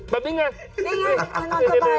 แบบนี้ไง